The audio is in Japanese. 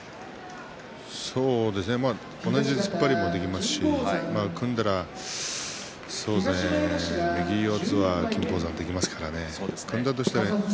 同じ突っ張りもできますし組んだら右四つが金峰山できますからね。